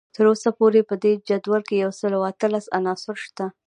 تر اوسه پورې په دې جدول کې یو سل او اتلس عناصر شته